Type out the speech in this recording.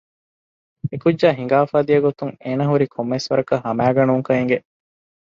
އެކުއްޖާ ހިނގާފައި ދިޔަގޮތުން އޭނާ ހުރީ ކޮންމެވެސް ވަރަކަށް ހަމައިގަ ނޫންކަން އެގެ